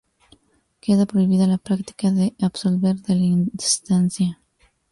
Queda prohibida la práctica de absolver de la instancia".